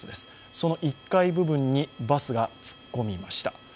その１階部分にバスが突っ込みました。